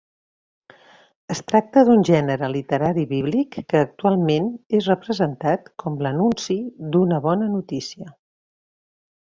Es tracta d'un gènere literari bíblic que actualment és representat com l'anunci d'una bona notícia.